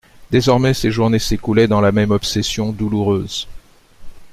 Désormais, ses journées s'écoulaient dans la même obsession douloureuse.